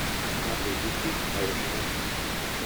Má dvě děti a je ženatý.